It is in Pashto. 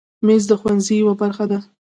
مېز د ښوونځي یوه برخه ده.